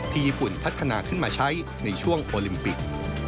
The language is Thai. ญี่ปุ่นพัฒนาขึ้นมาใช้ในช่วงโอลิมปิก